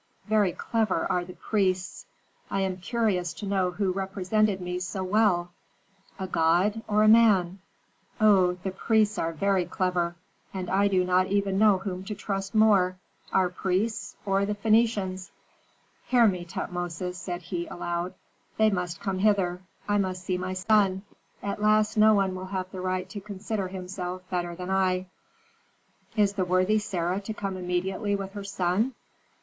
Very clever are the priests! I am curious to know who represented me so well, a god or a man? Oh, the priests are very clever, and I do not know even whom to trust more, our priests or the Phœnicians? "Hear me, Tutmosis," said he, aloud. "They must come hither; I must see my son. At last no one will have the right to consider himself better than I." "Is the worthy Sarah to come immediately with her son?"